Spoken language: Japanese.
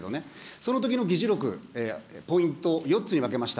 そのときの議事録、ポイント、４つに分けました。